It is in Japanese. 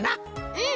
うん！